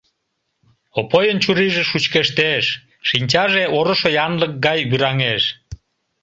Опойын чурийже шучкештеш, шинчаже орышо янлык гай вӱраҥеш.